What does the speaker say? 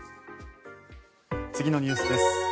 次のニュースです。